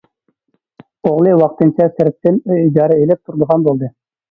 ئوغلى ۋاقتىنچە سىرتتىن ئۆي ئىجارە ئېلىپ تۇرىدىغان بولدى.